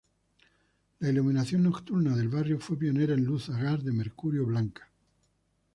La iluminación nocturna del barrio fue pionera en luz a gas de mercurio blanca.